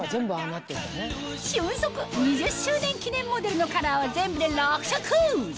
瞬足２０周年記念モデルのカラーは全部で６色！